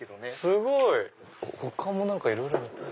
すごい！他も何かいろいろ見たい。